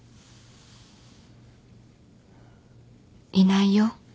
いないよ